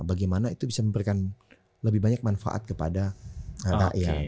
bagaimana itu bisa memberikan lebih banyak manfaat kepada rakyat